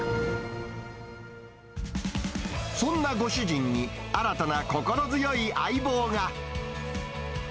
そんなご主人に、新たな心強い相棒が。